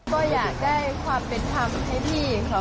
ก็อยากได้ความเป็นธรรมให้พี่เขา